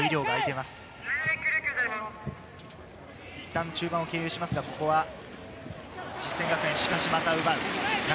いったん中盤を経由しますが、ここは実践学園、しかしまた奪う。